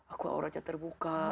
aku aurat yang terbuka